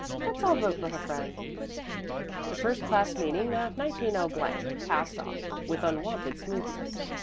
"Let's all vote for her friend." The first class meeting of 190 passed off with unwonted smoothness.